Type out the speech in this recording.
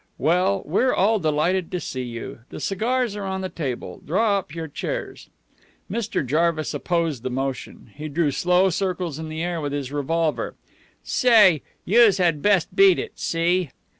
"Well, we're all delighted to see you. The cigars are on the table. Draw up your chairs." Mr. Jarvis opposed the motion. He drew slow circles in the air with his revolver. "Say! Youse had best beat it. See?"